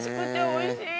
おいしい！